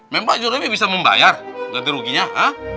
memang pak juremi bisa membayar ganti ruginya ha